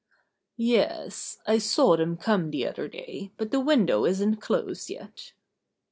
"Yes, I saw them come the other day, but the window isn't closed yet."